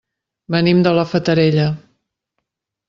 Venim de la Fatarella.